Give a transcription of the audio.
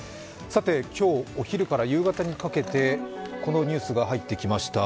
今日、お昼から夕方にかけてこのニュースが入ってきました。